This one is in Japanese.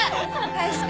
返して。